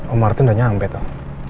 omar tuh udah nyampe tuh